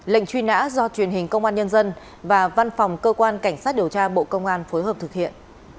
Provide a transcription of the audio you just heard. lệnh truy nã do truyền hình công an nhân dân và văn phòng cơ quan cảnh sát điều tra bộ công an phối hợp thực hiện